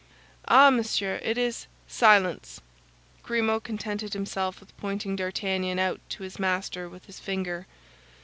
"Ah, monsieur, it is—" "Silence!" Grimaud contented himself with pointing D'Artagnan out to his master with his finger.